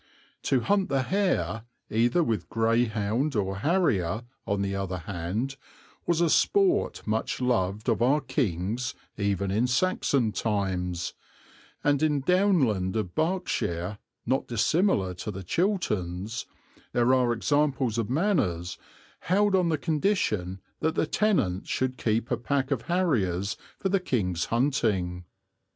To hunt the hare either with greyhound or harier, on the other hand, was a sport much loved of our kings even in Saxon times, and in Downland of Berkshire, not dissimilar to the Chilterns, there are examples of manors held on the condition that the tenant should keep a pack of hariers for the king's hunting.